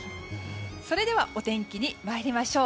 それではお天気に参りましょう。